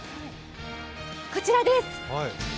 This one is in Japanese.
こちらです。